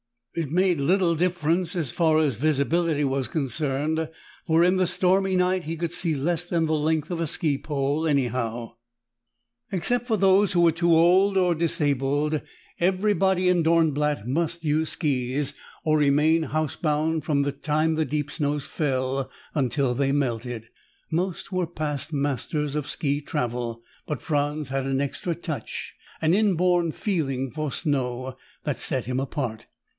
It made little difference as far as visibility was concerned, for, in the stormy night, he could see less than the length of a ski pole anyhow. Except for those who were too old or disabled, everybody in Dornblatt must use skis or remain housebound from the time the deep snows fell until they melted. Most were past masters of ski travel, but Franz had an extra touch, an inborn feeling for snow, that set him apart.